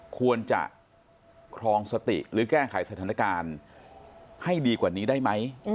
ควรจะครองสติหรือแก้ไขสถานการณ์ให้ดีกว่านี้ได้ไหม